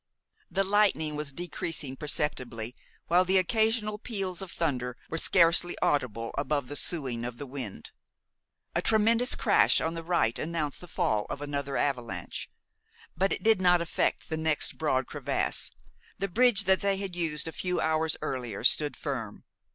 The lightning was decreasing perceptibly, while the occasional peals of thunder were scarcely audible above the soughing of the wind. A tremendous crash on the right announced the fall of another avalanche; but it did not affect the next broad crevasse. The bridge they had used a few hours earlier stood firm.